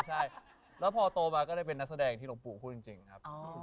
ใช่แล้วพอโตมาก็ได้เป็นนักแสดงที่หลวงปู่พูดจริงครับ